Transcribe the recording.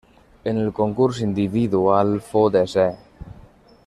En el concurs individual fou desè.